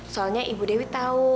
soalnya ibu dewi tau